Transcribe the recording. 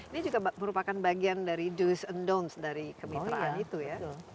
ini juga merupakan bagian dari do's and don'ts dari kemitraan itu ya